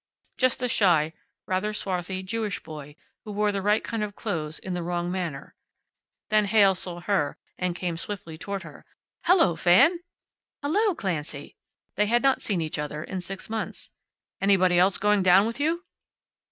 Just a shy, rather swarthy Jewish boy, who wore the right kind of clothes in the wrong manner then Heyl saw her and came swiftly toward her. "Hello, Fan!" "Hello, Clancy!" They had not seen each other in six months. "Anybody else going down with you?"